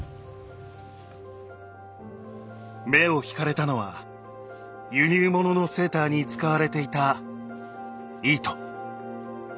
目を引かれたのは輸入物のセーターに使われていた糸。